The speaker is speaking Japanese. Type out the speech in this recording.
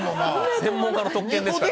専門家の特権ですから。